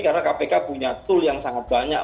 karena kpk punya tool yang sangat banyak